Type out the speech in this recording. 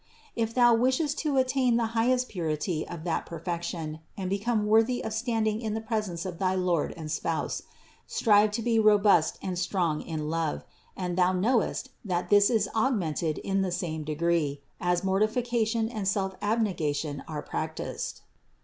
If thou wishest to attain the highest purity of that perfection and become worthy of standing in the presence of thy Lord and Spouse, strive to be 76 CITY OF GOD robust and strong in love ; and thou knowest, that this is augmented in the same degree, as mortification and self abnegation are practiced.